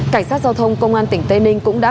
cảnh sát giao thông công an tỉnh tây ninh cũng đã